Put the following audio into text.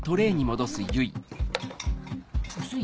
薄い？